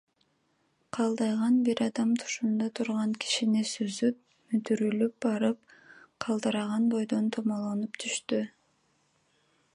Калдайган бир адам тушунда турган кишини сүзүп, мүдүрүлүп барып калдыраган бойдон томолонуп түштү